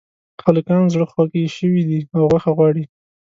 هلکان زړخوږي شوي دي او غوښه غواړي